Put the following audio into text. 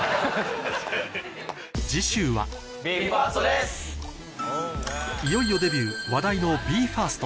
次週はいよいよデビュー話題のＢＥ：ＦＩＲＳＴ